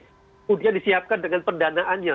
kemudian disiapkan dengan pendanaannya